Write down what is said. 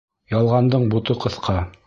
Ялғандың бото ҡыҫҡа